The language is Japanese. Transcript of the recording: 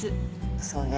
そうね。